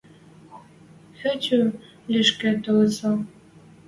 Хӧтю лишкӹ толыт со.